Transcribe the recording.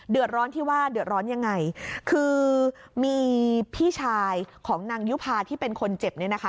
ร้อนที่ว่าเดือดร้อนยังไงคือมีพี่ชายของนางยุภาที่เป็นคนเจ็บเนี่ยนะคะ